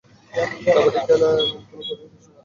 কাবাডি খেলা এমন কোনো কঠিন বিষয় না!